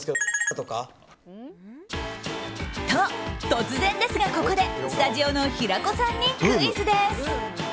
突然ですが、ここでスタジオの平子さんにクイズです。